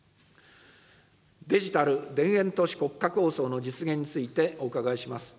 デジタル田園都市国家構想の実現についてお伺いします。